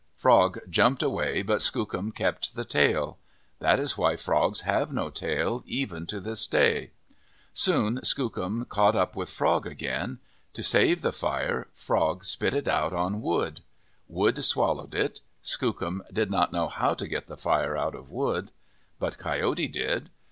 Frog jumped away but Skookum kept the tail. That is why frogs have no tail, even to this day. Soon Skookum caught up with Frog again. To save the fire, Frog spit it out on Wood. Wood swallowed it. Skookum did not know how to get the fire out of Wood. But Coyote did.